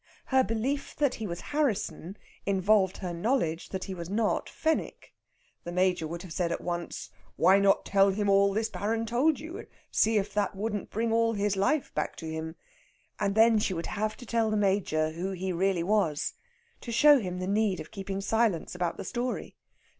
Her belief that he was Harrisson involved her knowledge that he was not Fenwick. The Major would have said at once: "Why not tell him all this Baron told you, and see if it wouldn't bring all his life back to him?" And then she would have to tell the Major who he really was, to show him the need of keeping silence about the story.